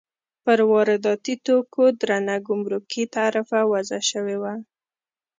پر وارداتي توکو درنه ګمرکي تعرفه وضع شوې وه.